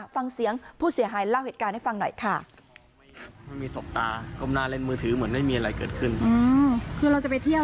ฟังเสียงผู้เสียหายเล่าเหตุการณ์ให้ฟังหน่อยค่ะ